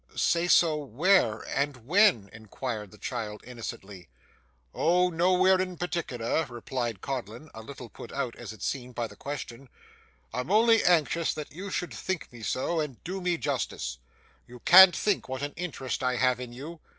'Say so where and when?' inquired the child innocently. 'O, nowhere in particular,' replied Codlin, a little put out as it seemed by the question; 'I'm only anxious that you should think me so, and do me justice. You can't think what an interest I have in you.